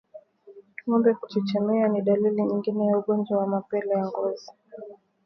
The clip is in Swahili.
Ngombe kuchechemea ni dalili nyingine ya ugonjwa wa mapele ya ngozi